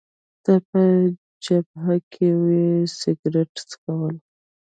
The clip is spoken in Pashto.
ته په جبهه کي وې، سګرېټ څکوې؟